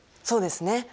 そうですね。